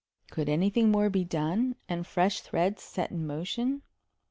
Could anything more be done, and fresh threads set in motion?